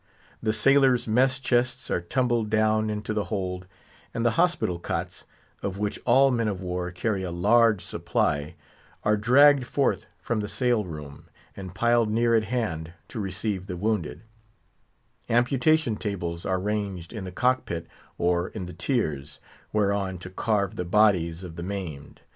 The sailors' mess chests are tumbled down into the hold; and the hospital cots—of which all men of war carry a large supply—are dragged forth from the sail room, and piled near at hand to receive the wounded; amputation tables are ranged in the cock pit or in the tiers, whereon to carve the bodies of the maimed.